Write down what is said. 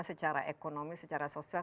secara ekonomi secara sosial